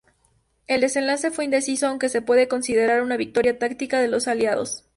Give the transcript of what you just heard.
El desenlace fue indeciso, aunque se puede considerar una victoria táctica de los aliados.